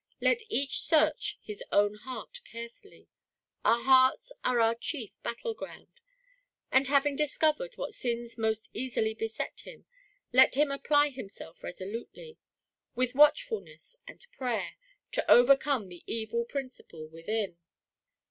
Let each search his own heart carefully — our heai ts are our chief battle ground — and having dis covered what sins most easily beset him, let him apply himself resolutely, with watchfulness and prayer, to overcome the evil principle within."